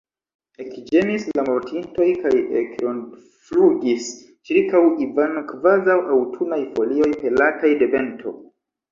Ekĝemis la mortintoj kaj ekrondflugis ĉirkaŭ Ivano, kvazaŭ aŭtunaj folioj, pelataj de vento.